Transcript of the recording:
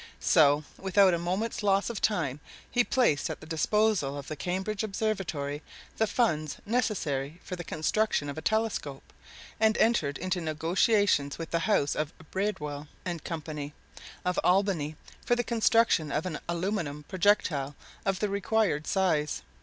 So, without a moment's loss of time, he placed at the disposal of the Cambridge Observatory the funds necessary for the construction of a telescope, and entered into negotiations with the house of Breadwill and Co., of Albany, for the construction of an aluminum projectile of the required size.